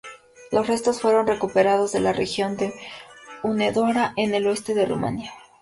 Los restos fueron recuperados de la región de Hunedoara, en el oeste de Rumania.